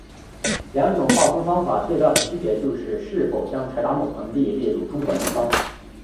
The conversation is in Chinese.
两种划分方法最大的区别就是是否将柴达木盆地列入中国南方。